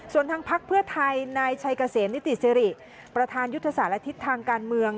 ส่วนทางพักเพื่อไทยนายชัยเกษมนิติสิริประธานยุทธศาสตร์และทิศทางการเมือง